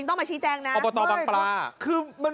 ต้องมาชี้แจงนะ